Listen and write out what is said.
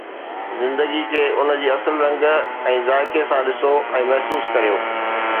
زندگي کي ان جي اصل رنگ ۽ ذائقي سان ڏسو ۽ محسوس ڪريو.